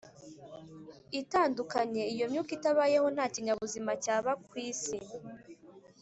itandukanye Iyo myuka itabayeho nta kinyabuzima cyaba k isi